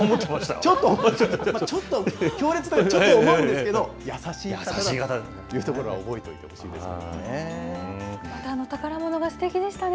ちょっと、ちょっと、強烈だとちょっと思うんですけれども、優しい方だというところは覚えといてほしいですね。